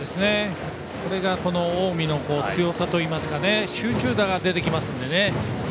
これが近江の強さといいますか集中打が出てきますのでね。